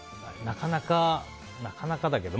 なかなかだけど。